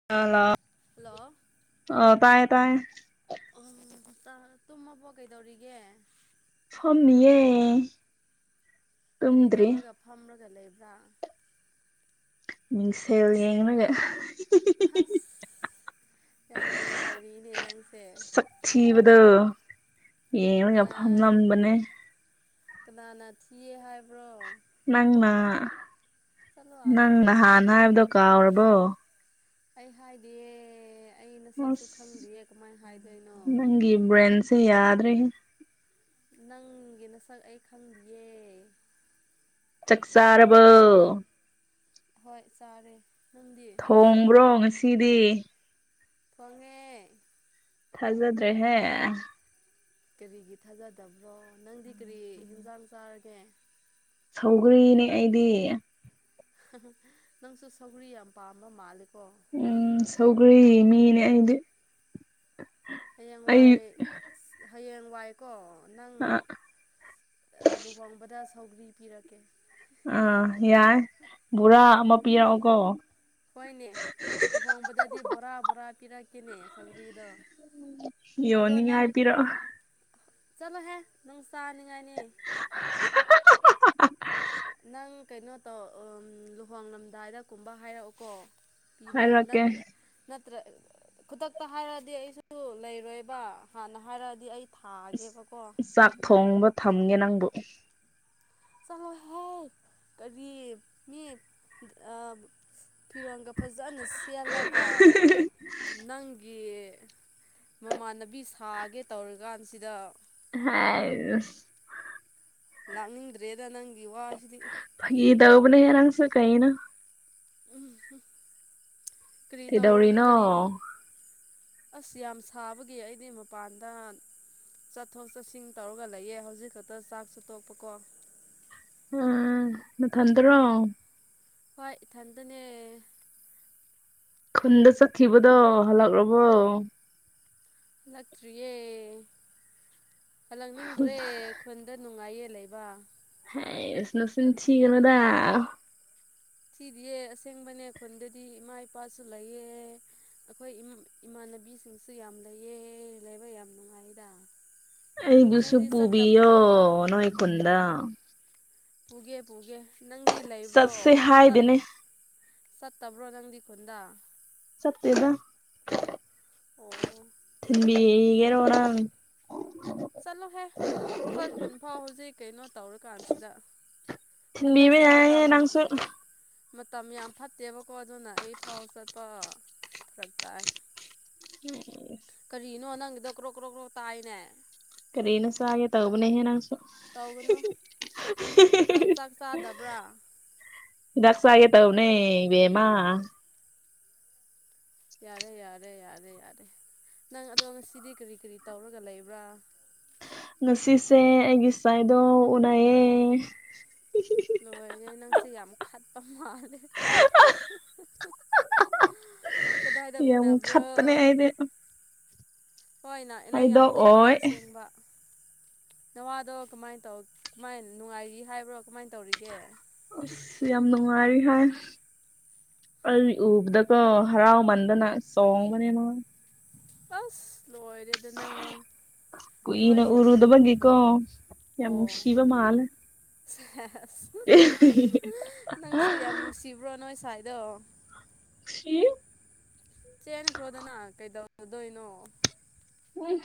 [unintelligible] Hello ꯑ ꯇꯥꯏꯌꯦ ꯇꯥꯏꯌꯦ ꯑ ꯇꯥ ꯇꯨꯝꯃꯕꯣ ꯀꯩꯗꯧꯔꯤꯒꯦ ꯐꯝꯃꯤꯌꯦ ꯀꯔꯤ ꯇꯨꯝꯗ꯭ꯔꯤ ꯇꯧꯔꯒ ꯐꯝꯔꯒ ꯂꯩꯕ꯭ꯔꯥ ꯃꯤꯡꯁꯦꯜ ꯌꯦꯡꯔꯒ ꯍꯁ ꯌꯥꯝ ꯅꯨꯡꯉꯥꯏꯔꯤꯅꯦ ꯅꯪꯁꯦ ꯁꯛ ꯊꯤꯕꯗꯣ ꯌꯦꯡꯔꯒ ꯐꯝꯂꯝꯕꯅꯦ ꯀꯅꯥꯅ ꯊꯤꯌꯦ ꯍꯥꯏꯕ꯭ꯔꯣ ꯅꯪꯅꯅ ꯆꯠꯂꯣ ꯑꯥꯗ ꯅꯪ ꯅꯍꯥꯟ ꯍꯥꯏꯕꯗꯣ ꯀꯥꯎꯔꯕꯣ ꯑꯩ ꯍꯥꯏꯗꯤꯑꯦ ꯑꯩꯩꯅ ꯅꯁꯛꯁꯨ ꯑꯁ ꯈꯪꯗꯦꯌꯦ ꯀꯃꯥꯏ ꯍꯥꯏꯗꯣꯏꯅꯣ ꯕꯔꯦꯟꯁꯤ ꯌꯥꯗ꯭ꯔꯦꯍꯦ ꯅꯪꯒꯤ ꯅꯁꯛ ꯑꯩ ꯈꯪꯗꯤꯌꯦ ꯆꯛ ꯆꯥꯥꯔꯕꯣ ꯍꯣꯏ ꯆꯥꯔꯦ ꯅꯪꯗꯤ ꯊꯣꯡꯕ꯭ꯔꯣ ꯉꯁꯤꯗꯤ ꯊꯣꯡꯉꯦ ꯊꯥꯖꯗ꯭ꯔꯦ ꯍꯦ ꯀꯔꯤꯒꯤ ꯊꯥꯖꯗꯕꯔꯣ ꯅꯪꯗꯤ ꯀꯔꯤ ꯍꯤꯟꯖꯥꯡ ꯆꯥꯔꯒꯦ ꯁꯧꯒ꯭ꯔꯤꯅꯦ ꯑꯩꯗꯤ ꯅꯪꯁꯨ ꯁꯧꯒꯔꯤ ꯌꯥꯝ ꯄꯥꯝꯕ ꯃꯥꯜꯂꯦꯀꯣ ꯎꯝ ꯁꯧꯈ꯭ꯔꯤ ꯃꯤꯅꯦ ꯑꯩꯗꯤ ꯑꯩ ꯍꯌꯦꯡꯋꯥꯏ ꯍꯌꯦꯡꯋꯥꯏꯀꯣ ꯅꯪ ꯑꯥ ꯑꯥ ꯂꯨꯍꯣꯡꯕꯗ ꯁꯧꯒ꯭ꯔꯤ ꯄꯤꯔꯛꯀꯦ ꯑꯥ ꯌꯥꯏ ꯕꯣꯔꯥ ꯑꯃ ꯄꯤꯔꯛꯑꯣꯀꯣ ꯍꯣꯏꯅꯦ ꯂꯨꯍꯣꯡꯕꯗꯗꯤ ꯕꯣꯔꯥ ꯕꯣꯔꯥ ꯄꯤꯔꯛꯀꯦꯅꯦ ꯁꯧꯒꯔꯤꯗꯣ ꯑꯗꯣ ꯅꯪ ꯌꯣꯟꯅꯤꯡꯉꯥꯏ ꯄꯤꯔꯛꯑꯣ ꯆꯠꯂꯣꯍꯦ ꯅꯪ ꯆꯥꯅꯤꯡꯉꯥꯏꯅꯤ [unintelligible] ꯅꯪ ꯀꯩꯅꯣ ꯇꯧ ꯂꯨꯍꯣꯡꯂꯝꯗꯥꯏꯗ ꯀꯨꯝꯕ ꯍꯥꯏꯔꯛꯑꯣꯀꯣ ꯄꯤꯅꯤꯡꯉꯥꯏ ꯍꯥꯏꯔꯛꯀꯦ ꯅꯠꯇꯥ ꯅꯠꯇ꯭ꯔ ꯈꯨꯗꯛꯇ ꯍꯥꯏꯔꯛꯑꯗꯤ ꯑꯩꯁꯨ ꯂꯩꯔꯣꯏꯕ ꯍꯥꯟꯅ ꯍꯥꯏꯔꯛꯑꯗꯤ ꯑꯩ ꯊꯥꯒꯦꯕꯀꯣ ꯆꯥꯛ ꯊꯣꯡꯕ ꯊꯝꯒꯦ ꯅꯪꯕꯨ ꯆꯂꯣ ꯍꯦ ꯀꯔꯤ ꯃꯤ ꯑꯥ ꯐꯤꯔꯣꯟꯒ ꯐꯖꯟꯅ ꯁꯦꯠꯂꯒ ꯅꯪꯒꯤ ꯃꯃꯥꯟꯅꯕꯤ ꯁꯥꯒꯦ ꯇꯧꯔꯤꯀꯥꯟꯁꯤꯗ ꯍꯩꯁ ꯂꯥꯛꯅꯤꯡꯗ꯭ꯔꯦꯗ ꯅꯪꯒꯤ ꯋꯥꯁꯤꯗꯤ ꯐꯒꯤ ꯇꯧꯕꯅꯦ ꯅꯪꯁꯨ ꯀꯩꯅꯣ ꯎꯝ ꯍꯝ ꯀ꯭ꯔꯤ ꯇꯧ ꯀꯩꯗꯧꯔꯤꯅꯣ ꯀꯔꯤ ꯑꯁ ꯌꯥꯝ ꯁꯥꯕꯒꯤ ꯑꯩꯗꯤ ꯃꯄꯥꯟꯗ ꯆꯠꯊꯣꯛ ꯆꯠꯁꯤꯟ ꯇꯧꯔꯒ ꯂꯩꯌꯦ ꯍꯧꯖꯤꯛ ꯈꯇ ꯆꯥꯛꯁꯨ ꯇꯣꯛꯄꯀꯣ ꯎ ꯅꯊꯟꯗꯔꯣ ꯍꯣꯏ ꯏꯊꯟꯗꯅꯦ ꯈꯨꯟꯗ ꯆꯠꯈꯤꯕꯗꯣ ꯍꯜꯂꯛꯔꯕꯣ ꯂꯛꯇ꯭ꯔꯤꯌꯦ ꯍꯂꯛꯅꯤꯡꯗ꯭ꯔꯦ ꯈꯨꯟꯗ ꯅꯨꯡꯉꯥꯏꯌꯦ ꯂꯩꯕ ꯍꯦꯁ ꯅꯆꯤꯟ ꯊꯤꯒꯅꯣꯗ ꯁꯤꯗꯤꯌꯦ ꯑꯁꯦꯡꯕꯅꯦ ꯈꯨꯟꯗꯗꯤ ꯏꯃꯥ ꯏꯄꯥꯁꯨ ꯂꯩꯌꯦꯦ ꯑꯈꯣꯏ ꯏꯝ ꯏꯃꯥꯟꯅꯕꯤꯁꯤꯡꯁꯨ ꯌꯥꯝ ꯂꯩꯌꯦ ꯂꯩꯕ ꯌꯥꯝ ꯅꯨꯡꯉꯥꯏꯗ ꯑꯩ ꯕꯨꯁꯨ ꯅꯪꯗꯤ ꯆꯠꯇ ꯄꯨꯨꯕꯤꯌꯣ ꯅꯣꯏ ꯈꯨꯟꯗꯥ ꯄꯨꯒꯦ ꯄꯨꯒꯦ ꯅꯪꯗꯤ ꯂꯩꯕ꯭ꯔꯣ ꯆꯠꯁꯦ ꯆꯠ ꯍꯥꯏꯗꯦꯅꯦ ꯆꯠꯇꯕ꯭ꯔꯣ ꯅꯪꯗꯤ ꯈꯨꯟꯗꯥ ꯁꯠꯇꯦꯗ ꯑꯣ ꯊꯤꯟꯕꯤꯒꯦꯔꯣ ꯅꯪ ꯆꯠꯂꯣꯍꯦ ꯑꯩꯈꯣꯏ ꯈꯨꯟꯐꯥꯎ ꯍꯧꯖꯤꯛ ꯀꯩꯅꯣ ꯇꯧꯔꯀꯥꯟꯁꯤꯗ ꯊꯤꯟꯕꯤꯕ ꯍꯟꯗꯛꯁꯦ ꯌꯥꯏꯍꯦ ꯃꯇꯝ ꯅꯪꯁꯨ ꯃꯇꯝ ꯌꯥꯝ ꯐꯠꯇꯦꯕꯀꯣ ꯑꯗꯨꯅ ꯑꯩ ꯐꯥꯎ ꯆꯠꯄ ꯐ꯭ꯔꯛ ꯇꯥꯏ [unintelligible] ꯀꯔꯤꯅꯣ ꯅꯪꯒꯤꯗꯣ ꯀ꯭ꯔꯣꯛ ꯀ꯭ꯔꯣꯛ ꯀ꯭ꯔꯣꯛ ꯇꯥꯏꯅꯦ ꯀꯔꯤꯅꯣ ꯆꯥꯒꯦ ꯇꯧꯕꯅꯦꯍꯦ ꯅꯪꯁꯨ ꯇꯧꯒꯅꯨ ꯅꯪ ꯍꯤꯗꯥꯛ ꯆꯥꯛ ꯆꯥꯗꯕ꯭ꯔꯥ ꯍꯤꯗꯥꯛ ꯆꯥꯒꯦ ꯇꯧꯕꯅꯦ ꯕꯦꯝꯃꯥ ꯌꯥꯔꯦ ꯌꯥꯔꯦ ꯌꯥꯔꯦ ꯌꯥꯔꯦ ꯅꯪ ꯑꯗꯣ ꯉꯁꯤꯗꯤ ꯀꯔꯤ ꯀꯔꯤ ꯇꯧꯔꯒ ꯂꯩꯕ꯭ꯔꯥ ꯉꯁꯤꯁꯦ ꯑꯩꯒꯤ ꯁꯥꯏꯗꯣ ꯎꯅꯩꯌꯦ ꯂꯣꯏꯔꯦ ꯅꯪꯁꯦ ꯌꯥꯝ ꯈꯠꯄ ꯃꯥꯜꯂꯦ ꯀꯗꯥꯏꯗ ꯌꯥꯝ ꯎꯅꯕ꯭ꯔꯣ ꯈꯠꯄꯅꯦ ꯑꯩꯗꯤ ꯍꯣꯏ ꯅ ꯅꯪ ꯌꯥꯝ ꯈꯠꯂꯦ ꯍꯥꯏꯗꯣꯛꯑꯣꯏ ꯑꯁꯦꯡꯕ ꯅꯋꯥꯗꯣ ꯀꯃꯥꯏ ꯇꯧ ꯀꯃꯥꯏꯟ ꯅꯨꯡꯉꯥꯏꯔꯤ ꯍꯥꯏꯕ꯭ꯔꯣ ꯀꯃꯥꯏꯟ ꯇꯧꯔꯤꯒꯦ ꯑꯁ ꯌꯥꯝ ꯅꯨꯡꯉꯥꯏꯔꯤ ꯍꯥꯏ ꯑꯩ ꯎꯕꯗ ꯀꯣ ꯍꯔꯥꯎꯃꯟꯗꯅ ꯆꯣꯡꯕꯅꯦ ꯃꯥ ꯑꯁ ꯂꯣꯏꯔꯦꯗꯅ ꯀꯨꯏꯅ ꯅꯣꯏꯁꯤꯗꯤ ꯎꯔꯨꯗꯕꯒꯤꯀꯣ ꯌꯥꯝ ꯑꯣ ꯅꯨꯡꯁꯤꯕ ꯃꯥꯂꯦ ꯁꯦꯁ ꯅꯪꯁꯨ ꯌꯥꯝ ꯅꯨꯡꯁꯤꯕ꯭ꯔꯣ ꯅꯣꯏ ꯁꯥꯏꯗꯣ ꯄꯤ ꯆꯦꯟꯈ꯭ꯔꯣꯗꯅ ꯀꯩꯗꯧꯗꯣꯏꯅꯣ ꯎꯝ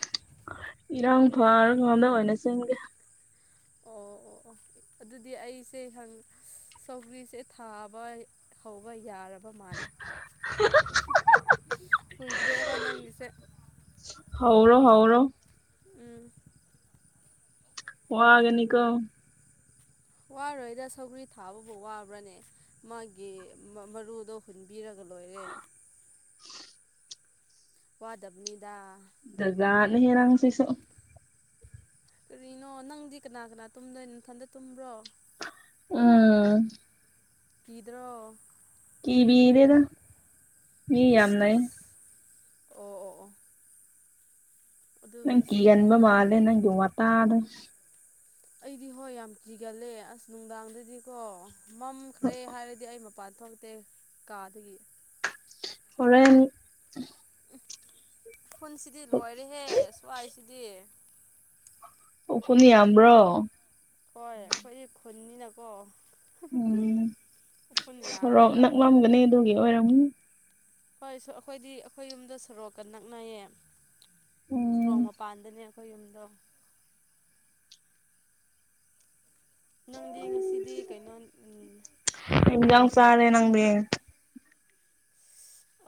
ꯏꯔꯥꯡ ꯐꯔꯉꯣꯟꯝꯗ ꯑꯣꯏꯅ ꯆꯦꯡꯒꯦ ꯑꯣ ꯑꯣ ꯑꯣ ꯑꯣ ꯑꯗꯨꯗꯤ ꯑꯩꯁꯦ ꯍꯪ ꯁꯧꯒ꯭ꯔꯤꯁꯦ ꯊꯥꯕ ꯍꯧꯕ ꯌꯥꯔ ꯕ ꯃꯥꯂꯦ ꯀꯨꯣꯏꯗ꯭ꯔꯦꯕ ꯅꯪꯒꯤꯁꯦ ꯍꯧꯔꯣ ꯍꯧꯔꯣ ꯎꯝ ꯋꯥꯒꯅꯤꯀꯣ ꯋꯥꯔꯣꯏꯗ ꯁꯧꯒ꯭ꯔꯤ ꯊꯥꯕꯕꯨ ꯋꯥꯕ꯭ꯔꯥꯅꯦ ꯃꯥꯒꯤ ꯃ ꯃꯔꯨꯗꯣ ꯍꯨꯟꯕꯤꯔꯒ ꯂꯣꯏꯔꯦ ꯋꯥꯗꯕꯅꯤꯗ ꯖꯥꯠ ꯖꯥꯠ ꯅꯤꯍꯦ ꯅꯪꯁꯤꯁꯨ ꯀꯔꯤꯅꯣ ꯅꯪꯗꯤ ꯀꯅꯥ ꯀꯅꯥ ꯇꯨꯝꯗꯣꯏ ꯅꯊꯟꯇ ꯇꯨꯝꯕ꯭ꯔꯣ ꯑꯥ ꯀꯤꯗ꯭ꯔꯣ ꯀꯤꯕꯤꯗꯦꯗ ꯃꯤ ꯌꯥꯝ ꯏꯁ ꯂꯩ ꯏꯁ ꯑꯣ ꯑꯣ ꯑꯣ ꯅꯪ ꯑꯗꯨꯕꯨꯗꯤ ꯀꯤꯍꯟꯕ ꯆꯨꯝꯃꯤꯅꯦꯍꯦ ꯃꯥꯜꯂꯦ ꯅꯪꯒꯤ ꯋꯥꯇꯥꯗꯣ ꯑꯩꯗꯤ ꯍꯣꯏ ꯌꯥꯝ ꯀꯤꯒꯜꯂꯦ ꯑꯁ ꯅꯨꯡꯗꯥꯡꯗꯗꯤꯀꯣ ꯃꯝꯈ꯭ꯔꯦ ꯍꯥꯏꯔ ꯗꯤ ꯑꯩ ꯃꯄꯥꯟ ꯊꯣꯛꯇꯦ ꯀꯥꯗꯒꯤ ꯍꯣꯔꯦꯟ ꯎꯐꯨꯟꯁꯤꯗꯤ ꯂꯣꯏꯔꯦꯍꯦ ꯁ꯭ꯋꯥꯏꯁꯤꯗꯤ ꯎꯐꯨꯟ ꯌꯥꯝꯕ꯭ꯔꯣ ꯍꯣꯏ ꯑꯩꯈꯣꯏꯗꯤ ꯈꯨꯟꯅꯤꯅꯀꯣ ꯎꯝ ꯎꯐꯨꯟ ꯁꯣꯔꯣꯛ ꯌꯥꯝꯃꯦꯕ ꯅꯛꯂꯝꯒꯅꯤ ꯑꯗꯨꯒꯤ ꯑꯣꯏꯔꯝꯒꯅꯤ ꯍꯣꯏꯁꯨ ꯑꯈꯣꯏꯗꯤ ꯑꯈꯣꯏ ꯌꯨꯝꯗꯣ ꯁꯣꯔꯣꯛꯀ ꯅꯛꯅꯩꯌꯦ ꯎꯝ ꯁꯣꯔꯣꯛ ꯃꯄꯥꯟꯗꯅꯦ ꯈꯣꯏ ꯌꯨꯝꯗꯣ ꯅꯪꯗꯤ ꯉꯁꯤꯗꯤ ꯀꯩꯅꯣ ꯎꯝ ꯀꯩ ꯏꯟꯖꯥꯡ ꯆꯥꯔꯦ ꯅꯣꯡꯃꯥꯏꯖꯤꯡꯅꯦ ꯅꯪꯗꯤ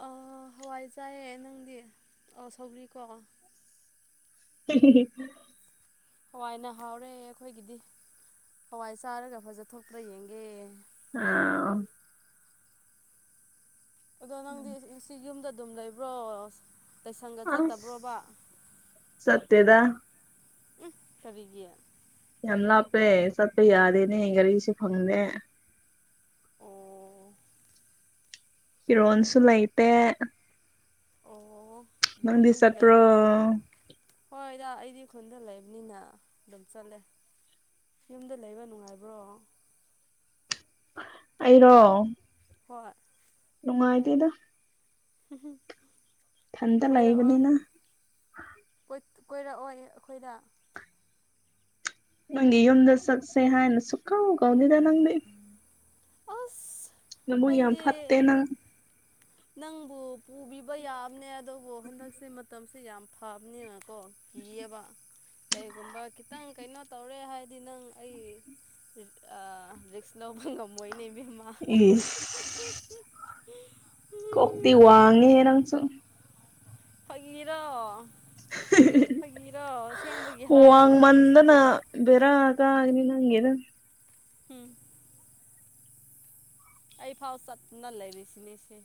ꯑꯥ ꯍꯋꯥꯏ ꯆꯥꯏꯌꯦ ꯅꯪꯗꯤ ꯑꯥ ꯁꯧꯒ꯭ꯔꯤ ꯀꯣ [unintelligible] ꯍꯋꯥꯏꯅ ꯍꯥꯎꯔꯦ ꯑꯩꯈꯣꯏꯒꯤꯗꯤ ꯍꯋꯥꯏ ꯆꯥꯔꯒ ꯐꯖꯊꯣꯛꯄ꯭ꯔꯥ ꯌꯦꯡꯒꯦ ꯑꯥ ꯑꯗꯣ ꯅꯪꯗꯤ ꯑꯁꯤ ꯉꯁꯤ ꯌꯨꯝꯗ ꯑꯗꯨꯝ ꯂꯩꯕ꯭ꯔꯣ ꯇꯩꯁꯪꯒ ꯑꯁ ꯆꯠꯇꯕ꯭ꯔꯣꯕ ꯆꯠꯇꯦꯗ ꯎꯝ ꯀꯔꯤꯒꯤ ꯌꯥꯝ ꯂꯥꯞꯄꯦ ꯆꯠꯄ ꯌꯥꯗꯦꯅꯦ ꯒꯥꯔꯤꯁꯨ ꯐꯪꯗꯦ ꯑꯣ ꯐꯤꯔꯣꯟꯁꯨꯨ ꯂꯩꯇꯦ ꯑꯣ ꯅꯪꯗꯤ ꯌꯨꯝꯗ ꯆꯠꯄ꯭ꯔꯣ ꯂꯩꯕ ꯍꯣꯏꯗ ꯑꯩꯗꯤ ꯈꯨꯟꯗ ꯂꯩꯕꯅꯤꯅ ꯑꯗꯨꯝ ꯆꯠꯂꯦ ꯌꯨꯝꯗ ꯂꯩꯕ ꯅꯨꯡꯉꯥꯏꯕ꯭ꯔꯣ ꯑꯩꯔꯣ ꯍꯣꯏ ꯅꯨꯡꯉꯥꯏꯇꯦꯗ ꯍꯨꯡ ꯍꯨꯡ ꯏꯊꯟꯇ ꯀꯣꯏꯔꯛꯑꯣ ꯂꯩꯕꯅꯤꯅ ꯀꯣꯏꯠ ꯀꯣꯏꯔꯛꯑꯣꯌꯦ ꯑꯩꯈꯣꯏꯗ ꯅꯪꯒꯤ ꯌꯨꯝꯗ ꯆꯠꯁꯦ ꯍꯥꯏꯅ ꯁꯨꯛꯀꯧ ꯀꯧꯗꯦꯗ ꯅꯪꯗꯤ ꯑꯁ ꯅꯕꯨꯛ ꯌꯥꯝ ꯑꯩꯗꯤ ꯐꯠꯇꯦ ꯅꯪ ꯅꯪꯕꯨ ꯄꯨꯕꯤꯕ ꯌꯥꯝꯕꯅꯦ ꯑꯗꯨꯕꯨ ꯍꯟꯗꯛꯁꯦ ꯃꯇꯝꯁꯦ ꯌꯥꯝ ꯐꯕꯅꯦꯅ ꯀꯣ ꯀꯤꯌꯦꯕ ꯀꯩꯒꯨꯝꯕ ꯈꯤꯇꯪ ꯀꯩꯅꯣ ꯇꯧꯔꯦ ꯍꯥꯏꯔꯗꯤ ꯅꯪ ꯑꯩ ꯔꯤ ꯑꯥ ꯔꯤꯛꯁ ꯂꯧꯕ ꯉꯝꯃꯣꯏꯅꯦ ꯏꯕꯦꯝꯃ ꯏꯁ [unintelligible] ꯀꯣꯛꯇꯤ ꯋꯥꯡꯉꯦꯌꯦ ꯅꯪꯁꯨ ꯐꯥꯒꯤꯔꯣ ꯐꯥꯒꯤꯔꯣ ꯑꯁꯦꯡꯕꯒꯤ ꯍꯥꯏꯔꯒ ꯃꯁꯤꯗꯤ꯫ ꯋꯥꯡꯃꯟꯗꯅ ꯕꯦꯔꯥ ꯀꯒꯅꯤ ꯅꯪꯒꯤꯗꯣ ꯍꯨꯝ ꯑꯩꯐꯥꯎ ꯆꯠꯇꯅ ꯂꯩꯔꯤꯁꯤꯅꯦ ꯁꯦ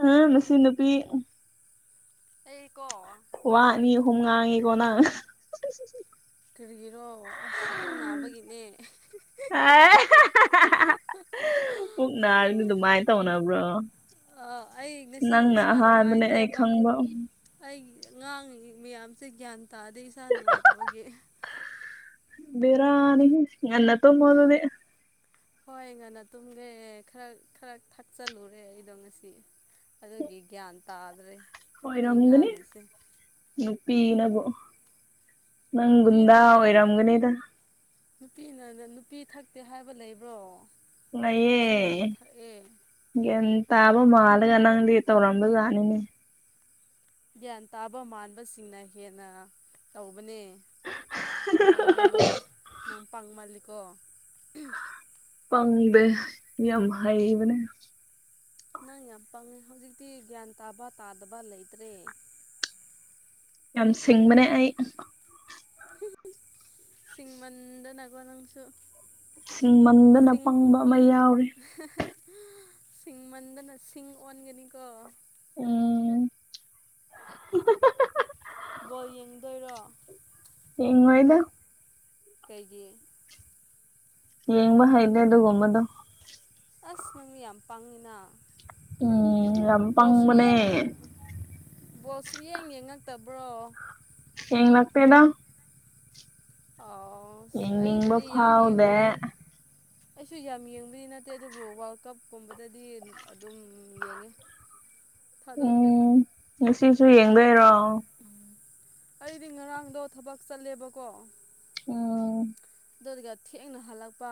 ꯍ ꯅꯁꯨ ꯅꯨꯄꯤ ꯑꯩꯀꯣ ꯋꯥꯑꯅꯤ ꯑꯍꯨꯝ ꯉꯥꯡꯉꯤꯀꯣ ꯅꯪ [inaudible] ꯀꯔꯤꯒꯤꯔꯣ ꯑꯁ ꯄꯨꯛ ꯅꯥꯕꯒꯤꯅꯦ꯫ ꯑꯦ ꯄꯨꯛ ꯅꯥꯔꯗꯤ ꯑꯗꯨꯃꯥꯏ ꯇꯧꯅꯕ꯭ꯔꯣ? ꯑꯥ ꯑꯩ ꯉꯁꯤ ꯅꯪꯅ ꯏꯁꯥ ꯑꯍꯥꯟꯕꯅꯦ ꯑꯩ ꯅꯨꯡꯉꯥꯏꯇꯦꯕ꯫ ꯈꯪꯕ ꯑꯩ ꯉꯥꯡꯉꯤ ꯃꯌꯥꯝꯁꯦ ꯒ꯭ꯌꯥꯟ ꯇꯥꯗꯦ ꯏꯁꯥ ꯅꯨꯡꯉꯥꯏꯇꯕꯒꯤ꯫ ꯕꯦꯔꯥꯅꯤꯍꯦ ꯉꯟꯅ ꯇꯨꯝꯃꯣ ꯑꯗꯨꯗꯤ ꯍꯣꯏ ꯉꯟꯅ ꯇꯨꯝꯒꯦ ꯈꯔ ꯈꯔ ꯊꯛꯆꯜꯂꯨꯔꯦ ꯑꯩꯗꯣ ꯉꯁꯤ꯫ ꯑꯗꯨꯒꯤ ꯒ꯭ꯌꯥꯟ ꯇꯥꯗ꯭ꯔꯦ꯫ ꯑꯩ ꯑꯣꯏꯔꯝꯒꯅꯤ ꯉꯥꯡꯂꯤꯁꯦ ꯅꯨꯄꯤ ꯅꯕꯨ ꯅꯪ ꯒꯨꯟꯗ ꯅꯨꯄꯤꯅ ꯑꯣꯏꯔꯝꯒꯅꯤꯗ꯫ ꯅꯨꯄꯤꯅ ꯅꯨꯄꯤ ꯊꯛꯇꯦ ꯍꯥꯏꯕ ꯂꯩꯕ꯭ꯔꯣ ꯅꯨꯄꯤꯁꯨ ꯌꯥꯝ ꯅꯌꯦ ꯊꯛꯑꯦ꯫ ꯒ꯭ꯌꯥꯟ ꯇꯥꯕ ꯃꯥꯜꯂꯒ ꯅꯪꯗꯤ ꯇꯧꯔꯝꯕꯖꯥꯠꯅꯤꯅꯦ꯫ ꯒ꯭ꯌꯥꯟ ꯇꯥꯕ ꯃꯥꯟꯕꯁꯤꯡꯅ ꯍꯦꯟꯅ ꯇꯧꯕꯅꯦ꯫ ꯈꯪꯖꯜꯂꯣ ꯅꯪ ꯄꯪꯃꯥꯜꯂꯤꯀꯣ꯫ ꯄꯪꯗꯦ ꯌꯥꯝ ꯍꯩꯕꯅꯦ꯫ ꯅꯪ ꯌꯥꯝ ꯄꯪꯉꯦ ꯍꯧꯖꯤꯛꯇꯤ ꯒ꯭ꯌꯥꯟ ꯇꯥꯕ ꯇꯥꯗꯕ ꯂꯩꯇ꯭ꯔꯦ꯫ ꯌꯥꯝ ꯁꯤꯡꯕꯅꯦ ꯑꯩ ꯁꯤꯡꯃꯟꯗꯅꯀꯣ ꯅꯪꯁꯨ ꯁꯤꯡꯃꯟꯗꯅ ꯄꯪꯕ ꯑꯃ ꯌꯥꯎꯔꯦ꯫ UNINTELLIGIBLE ꯁꯤꯡꯃꯟꯗꯅ ꯁꯤꯡ ꯑꯣꯟꯒꯅꯤꯀꯣ꯫ ꯎꯝ ꯕꯣꯜ ꯌꯦꯡꯗꯣꯏꯔꯣ? ꯌꯦꯡꯉꯣꯏꯗ꯫ ꯀꯩꯒꯤ? ꯌꯦꯡꯕ ꯍꯩꯇꯦ ꯗꯨꯒꯨꯝꯕꯗꯣ꯫ ꯑꯁ ꯅꯪꯗꯤ ꯌꯥꯝ ꯄꯪꯉꯤꯅ ꯎꯝ ꯌꯥꯝ ꯄꯪꯕꯅꯦ ꯕꯣꯜꯁꯨꯡꯌꯦꯡ ꯕꯣꯜ ꯁꯨꯡꯌꯦꯡ ꯌꯦꯡꯉꯛꯇꯕ꯭ꯔꯣ? ꯌꯦꯡ ꯂꯥꯛꯇꯦꯗ꯫ ꯑꯣꯁꯁ ꯌꯦꯡꯅꯤꯡꯕ ꯑꯩꯕꯨꯗꯤ ꯌꯥꯝ ꯐꯥꯎꯗꯦ ꯌꯦꯡꯕꯗꯤ ꯑꯩꯁꯨ ꯌꯥꯝ ꯌꯦꯡꯕꯗꯤ ꯅꯠꯇꯦ ꯑꯗꯨꯕꯨ ꯋꯥꯜ ꯀꯞꯀꯨꯝꯕꯗꯗꯤ ꯑꯗꯨꯝ ꯌꯦꯡꯉꯦ꯫ ꯊꯗꯣꯛꯇꯦ ꯎꯝ ꯉꯁꯤꯁꯨ ꯌꯦꯡꯗꯣꯏꯔꯣ? ꯑꯩꯗꯤ ꯉꯔꯥꯡꯗꯣ ꯊꯕꯛ ꯆꯠꯂꯦꯕꯀꯣ꯫ ꯑ ꯑꯗꯨꯒ ꯊꯦꯡꯅ ꯍꯜꯂꯛꯄ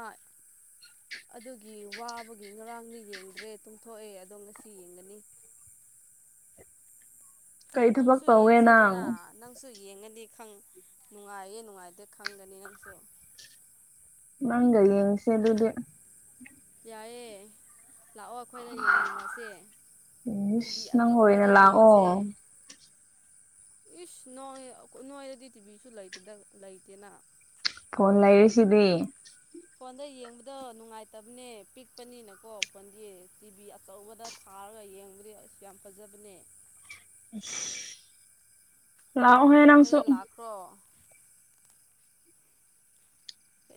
ꯑꯗꯨꯒꯤ ꯋꯥꯕꯒꯤ ꯉꯔꯥꯡꯗꯤ ꯌꯦꯡꯗ꯭ꯔꯦ ꯇꯨꯝꯊꯣꯛꯑꯦ ꯑꯗꯣ ꯉꯁꯤ ꯌꯦꯡꯒꯅꯤ꯫ ꯀꯩ ꯅꯪꯁꯨ ꯊꯕꯛ ꯇꯧꯒꯦ ꯌꯦꯡꯁꯦꯗꯅ꯫ ꯅꯪ ꯅꯪꯁꯨ ꯌꯦꯡꯉꯗꯤ ꯈꯪ ꯅꯨꯡꯉꯥꯏꯌꯦ ꯅꯨꯡꯉꯥꯏꯇꯦ ꯈꯪꯒꯅꯤ ꯅꯪꯁꯨ ꯅꯪꯒ ꯌꯦꯡꯁꯦ ꯑꯗꯨꯗꯤ ꯌꯥꯏꯌꯦ ꯂꯥꯛꯑꯣ ꯑꯩꯈꯣꯏꯗ ꯌꯦꯡꯃꯤꯟꯅꯁꯦ ꯇꯤꯚꯤ ꯏꯁ ꯅꯪ ꯑꯆꯧꯕꯗ ꯑꯣꯏꯅ ꯌꯦꯡꯁꯦ ꯂꯥꯛꯑꯣ ꯏꯁ ꯅꯣꯏ ꯅꯣꯏꯗꯗꯤ ꯇꯤꯚꯤꯁꯨ ꯂꯩꯇꯦꯗꯥ ꯂꯩꯇꯦꯅ ꯐꯣꯟ ꯂꯩꯔꯤꯁꯤꯗꯤ ꯐꯣꯟꯗ ꯌꯦꯡꯕꯗꯣ ꯅꯨꯡꯉꯥꯏꯇꯕꯅꯦ ꯄꯤꯛꯄꯅꯤꯅꯀꯣ ꯐꯣꯟꯗꯤ ꯇꯤꯚꯤ ꯑꯆꯧꯕꯗ ꯊꯥꯔꯒ ꯌꯦꯡꯕꯗꯤ ꯑꯁ ꯌꯥꯝ ꯐꯖꯕꯅꯦ ꯂꯛꯑꯣꯍꯦ ꯅꯪꯁꯨ ꯀ꯭ꯔꯣ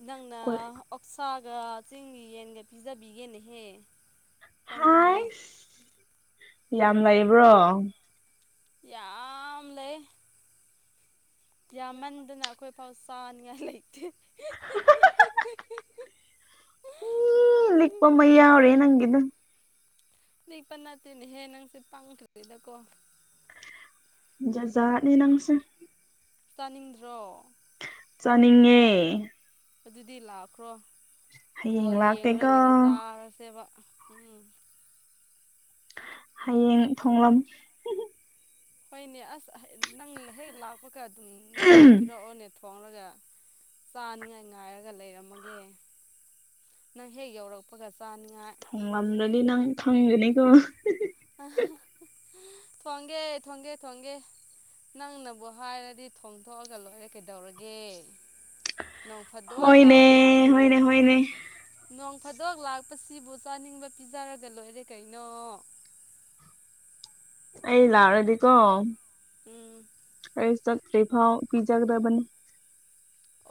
ꯅꯪꯅ ꯀꯣꯏ ꯑꯣꯛꯁꯥꯒ ꯆꯤꯡꯒꯤ ꯌꯦꯟꯒ ꯄꯤꯖꯕꯤꯒꯦꯅꯦꯍꯦ ꯄꯪꯒꯅꯨ ꯍꯥꯏꯁ ꯌꯥꯝ ꯂꯩꯕ꯭ꯔꯣ ꯌꯥꯝ ꯂꯩ ꯌꯥꯝꯃꯟꯗꯅ ꯑꯩꯈꯣꯏꯐꯥꯎ ꯆꯥꯅꯤꯡꯉꯥꯏ ꯂꯩꯇꯦ [unintelligible] ꯎꯝ ꯂꯤꯛꯄ ꯑꯃ ꯌꯥꯎꯔꯤꯌꯦ ꯅꯪꯒꯤꯗꯣ ꯂꯤꯛꯄ ꯅꯠꯇꯦꯅꯦꯍꯦ ꯅꯪꯁꯦ ꯄꯪꯈ꯭ꯔꯦꯗꯀꯣ ꯖꯠ ꯖꯠꯅꯤ ꯅꯪꯁꯦ ꯆꯥꯅꯤꯡꯗ꯭ꯔꯣ ꯆꯥꯅꯤꯡꯉꯦ ꯑꯗꯨꯗꯤ ꯂꯥꯛꯈ꯭ꯔꯣ ꯕꯣꯜ ꯍꯌꯦꯡ ꯂꯥꯛꯀꯦꯀꯣ ꯌꯦꯡꯂꯒ ꯆꯥꯔꯁꯦꯕ ꯎꯝ ꯍꯩꯌꯦꯡ ꯊꯣꯡꯂꯝ ꯍꯣꯏꯅꯦ ꯑꯁ ꯅꯪ ꯍꯦꯛ ꯂꯥꯛꯄꯒ ꯑꯗꯨꯝ ꯄꯥꯎ ꯄꯤꯔꯛꯑꯣꯅꯦ ꯊꯣꯡꯔꯒ ꯆꯥꯅꯤꯉꯥꯏ ꯉꯥꯏꯔꯒ ꯂꯩꯔꯝꯃꯒꯦ ꯅꯪ ꯍꯦꯛ ꯌꯧꯔꯛꯄꯒ ꯆꯥꯅꯤꯡꯉꯥꯏ ꯉꯝꯗ꯭ꯔꯥꯗꯤ ꯅꯪ ꯈꯪꯒꯅꯤꯀꯣ ꯊꯣꯡꯒꯦ ꯊꯣꯡꯒꯦ ꯊꯣꯡꯒꯦ ꯅꯪꯅꯕꯨ ꯍꯥꯏꯔꯗꯤ ꯊꯣꯡꯇꯣꯛꯑꯒ ꯂꯣꯏꯔꯦ ꯀꯩꯗꯧꯔꯒꯦ ꯅꯣꯡ ꯐꯗꯣꯛ ꯍꯣꯏꯅꯦ ꯂꯥꯛꯄꯁꯤꯕꯨ ꯍꯣꯏꯅꯦ ꯍꯣꯏꯅꯦ ꯅꯣꯡ ꯐꯥꯗꯣꯛ ꯂꯥꯛꯄꯁꯤꯕꯨ ꯆꯥꯅꯤꯡꯕ ꯄꯤꯖꯔꯒ ꯂꯣꯏꯔꯦ ꯀꯩꯅꯣ ꯑꯩ ꯂꯥꯛꯔꯗꯤꯀꯣ ꯎꯝ ꯑꯩ ꯆꯠꯇ꯭ꯔꯤꯐꯥꯎ ꯄꯤꯖꯥꯒꯗꯕꯅꯤ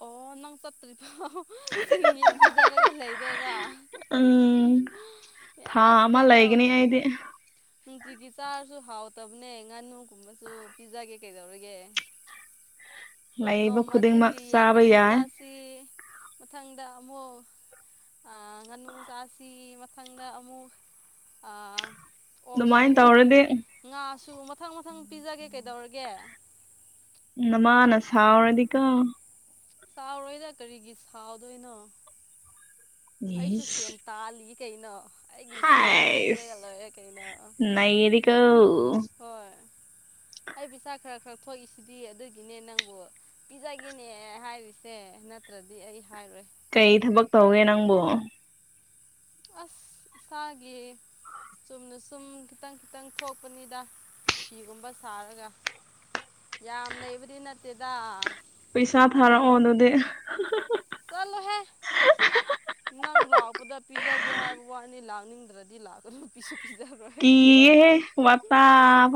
ꯑꯣ ꯅꯪ ꯆꯠꯇ꯭ꯔꯤꯐꯧ ꯆꯤꯡ ꯌꯦꯟ ꯄꯤꯖꯔꯒ ꯂꯩꯗꯣꯏꯕ ꯎꯝ ꯊꯥ ꯑꯁ ꯑꯃ ꯀꯩꯅꯣ ꯂꯩꯒꯅꯤ ꯑꯩꯗꯤ ꯅꯨꯡꯇꯤꯒꯤ ꯆꯥꯔꯁꯨ ꯍꯥꯎꯇꯕꯅꯦ ꯉꯥꯅꯨꯒꯨꯝꯕꯁꯨ ꯄꯤꯖꯒꯦ ꯀꯩꯗꯧꯔꯒꯦ ꯂꯩꯕ ꯅꯣꯡꯃ ꯈꯨꯗꯤꯡꯃꯛ ꯆꯤꯡꯒꯤ ꯌꯦꯟ ꯆꯥꯕ ꯑꯃꯨꯛ ꯌꯥꯏ ꯆꯥ ꯁꯤ ꯃꯊꯪꯗ ꯑꯃꯨꯛ ꯑꯥ ꯉꯥꯅꯨ ꯆꯥꯁꯤ ꯃꯊꯪꯗ ꯑꯃꯨꯛ ꯑꯥ ꯑꯣꯛꯁꯨ ꯑꯗꯨꯃꯥꯏꯅ ꯇꯧꯔꯗꯤ ꯉꯥꯁꯨ ꯃꯊꯪ ꯃꯊꯪ ꯄꯤꯖꯒꯦ ꯀꯩꯗꯧꯔꯒꯦ ꯅꯥꯃꯅ ꯁꯥꯎꯔꯗꯤꯀꯣ ꯁꯥꯎꯔꯣꯏꯗ ꯀꯔꯤꯒꯤ ꯁꯥꯎꯗꯣꯏꯅꯣ ꯑꯩꯁꯨ ꯏꯁ ꯁꯦꯟ ꯇꯥꯜꯂꯤ ꯀꯩꯅꯣ ꯑꯩꯒꯤ ꯁꯦꯟꯅ ꯍꯥꯏꯁ ꯂꯩꯔꯒ ꯂꯣꯏꯔꯦ ꯀꯩꯅ ꯅꯩꯔꯦꯀꯣ ꯍꯣꯏ ꯑꯩ ꯄꯆꯥ ꯈꯔ ꯈꯔ ꯊꯣꯛꯏꯁꯤꯗꯤ ꯑꯗꯨꯒꯤꯅꯦ ꯅꯪꯕꯨ ꯄꯤꯖꯒꯦꯅꯦ ꯍꯥꯏꯔꯤꯁꯦ ꯅꯠꯇ꯭ꯔꯗꯤ ꯑꯩ ꯍꯥꯏꯔꯣꯏ ꯀꯩ ꯊꯕꯛ ꯇꯧꯒꯦ ꯅꯪꯕꯣ ꯑꯁ ꯁꯥꯒꯤ ꯆꯨꯝꯅ ꯁꯨꯝ ꯈꯤꯇꯪ ꯈꯤꯇꯪ ꯊꯣꯛꯄꯅꯤꯗ ꯐꯤꯒꯨꯝꯕ ꯁꯥꯔꯒ ꯌꯥꯝ‌ꯂꯩꯕꯗꯤ ꯅꯠꯇꯦꯗ ꯄꯩꯁꯥ ꯊꯥꯔꯛꯑꯣ ꯑꯗꯨꯗꯤ ꯆꯂꯣꯍꯦ ꯅꯪ ꯂꯥꯛꯄꯗ ꯄꯤꯖꯒꯦ ꯍꯥꯏꯕ ꯋꯥꯅꯤ ꯂꯥꯛꯅꯤꯡꯗ꯭ꯔꯗꯤ ꯂꯥꯛꯀꯗ ꯄꯤꯁꯨ ꯄꯤꯖꯕ ꯀꯤꯌꯦꯍꯦ ꯋꯥꯇꯥꯕꯥꯎ